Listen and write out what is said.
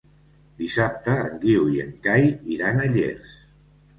Dissabte en Guiu i en Cai iran a Llers.